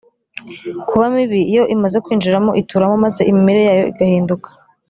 kuba mibi iyo imaze kwinjiramo ituramo maze imimerere yayo igahinduka